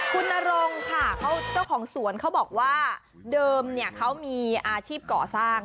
คุณนรงค่ะเขาเจ้าของสวนเขาบอกว่าเดิมเนี่ยเขามีอาชีพก่อสร้าง